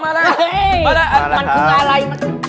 มันคืออะไร